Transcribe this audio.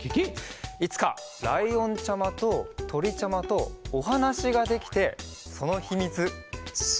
いつかライオンちゃまととりちゃまとおはなしができてそのひみつしれたらいいね。